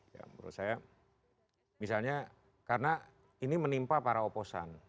ya menurut saya misalnya karena ini menimpa para oposan